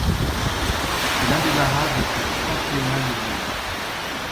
C'est l'un des barrages le plus septentrional du monde.